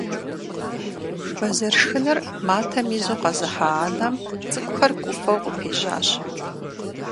Бэзэр шхыныр матэм изу къэзыхьа анэм цӀыкӀухэр гуфӀэу къыпежьащ.